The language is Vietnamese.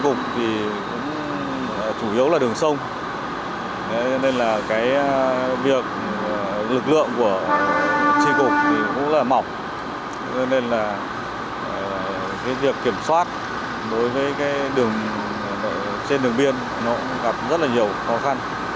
lực lượng của chi cục cũng mỏng việc kiểm soát trên đường biên gặp rất nhiều khó khăn